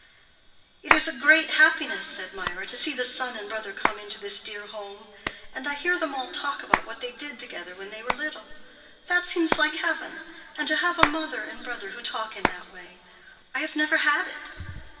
"It is a great happiness," said Mirah, "to see the son and brother come into this dear home. And I hear them all talk about what they did together when they were little. That seems like heaven, and to have a mother and brother who talk in that way. I have never had it."